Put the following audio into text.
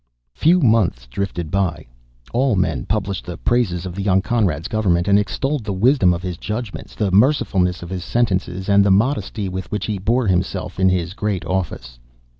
Few months drifted by. All men published the praises of the young Conrad's government and extolled the wisdom of his judgments, the mercifulness of his sentences, and the modesty with which he bore himself in his great office.